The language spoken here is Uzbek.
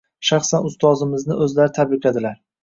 Shaxsan ustozimizni o'zlari tabrikladilar.